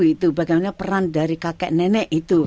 itu bagaimana peran dari kakek nenek itu